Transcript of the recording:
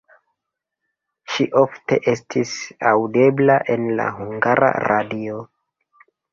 Ŝi ofte estis aŭdebla en la Hungara Radio.